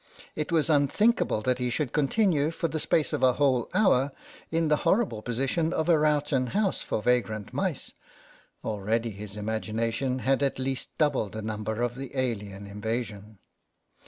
It was unthinkable that he should continue for the space of a whole hour in the horrible position of a Rowton House for vagrant mice (already his imagination THE MOUSE 119 had at least doubled the numbers of the alien invasion).